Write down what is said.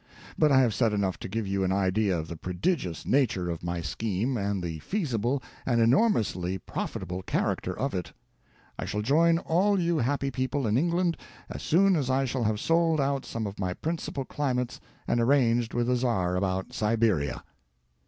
But I have said enough to give you an idea of the prodigious nature of my scheme and the feasible and enormously profitable character of it. I shall join all you happy people in England as soon as I shall have sold out some of my principal climates and arranged with the Czar about Siberia.